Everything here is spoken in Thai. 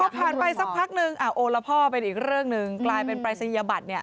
พอผ่านไปสักพักนึงโอละพ่อเป็นอีกเรื่องหนึ่งกลายเป็นปรายศนียบัตรเนี่ย